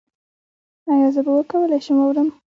ایا زه به وکولی شم واورم؟